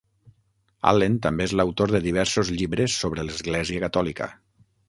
Allen és també l'autor de diversos llibres sobre l'Església catòlica.